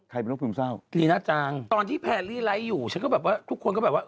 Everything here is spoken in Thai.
เป็นโรคซึมเศร้าดีน่าจังตอนที่แพรรี่ไลค์อยู่ฉันก็แบบว่าทุกคนก็แบบว่า